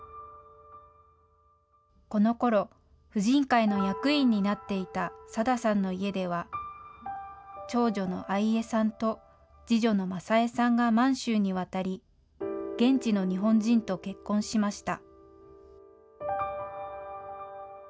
このころ、婦人会の役員になっていたさださんの家では、長女の愛恵さんと次女の昌枝さんが満州に渡り、現地の日本人と結婚しました。